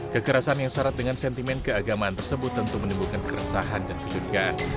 kekerasan yang syarat dengan sentimen keagamaan tersebut tentu menimbulkan keresahan dan kecurigaan